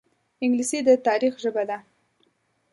انګلیسي د تاریخ ژبه ده